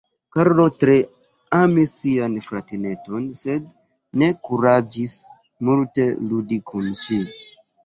Karlo tre amis sian fratineton, sed ne kuraĝis multe ludi kun ŝi.